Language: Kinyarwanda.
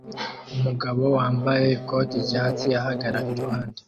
Umugabo wambaye ikoti ryatsi ahagarara iruhande